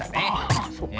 ああそうか。